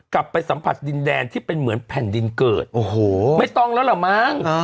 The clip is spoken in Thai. กลับไปสัมผัสดินแดนที่เป็นเหมือนแผ่นดินเกิดโอ้โหไม่ต้องแล้วล่ะมั้ง